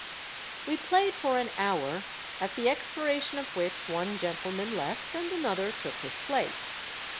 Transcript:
We played for an hour, at the expiration of which one gentleman left and another took his place.